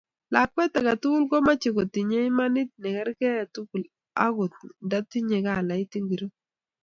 Lakwet age tugul komochei kotinyei imanit ne kerkei tugul agot ndatinye kalait ingiro